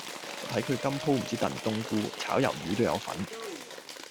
我睇佢今鋪唔止燉冬菇，炒魷魚都有份